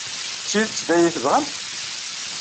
D tidet d aya ay tebɣamt?